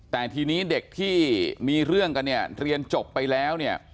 แต่ทีนี้เด็กที่มีเรื่องกันเรียนจบไปแล้ว